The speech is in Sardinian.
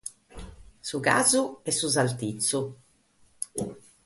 Su casu e su sartitzu.